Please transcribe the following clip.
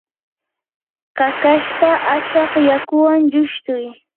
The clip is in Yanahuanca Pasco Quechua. kakashta achaq yakuwan lushtuy.